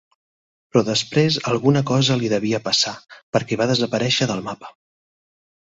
Però després alguna cosa li devia passar, perquè va desaparèixer del mapa.